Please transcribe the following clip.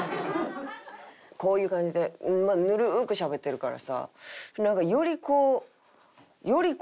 こういう感じでぬるくしゃべってるからさなんかよりこうより眠うなんねん。